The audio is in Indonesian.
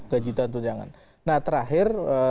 kejituan tunjangan nah terakhir